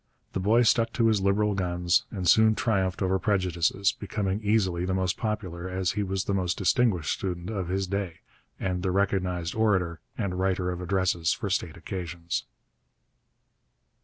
The boy stuck to his Liberal guns, and soon triumphed over prejudices, becoming easily the most popular as he was the most distinguished student of his day, and the recognized orator and writer of addresses for state occasions.